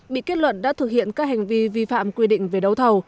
bị kết luận đã thực hiện các hành vi vi phạm quy định về đấu thầu